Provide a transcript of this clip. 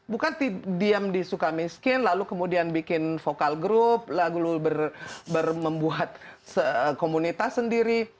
bukan diam di suka miskin lalu kemudian bikin vokal group lagu lalu membuat komunitas sendiri